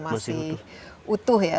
masih utuh ya